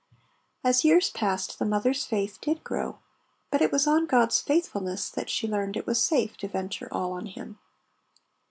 As years passed the mother's faith did grow, but it was on God's faithfulness until she learnt it was safe to venture all on Him.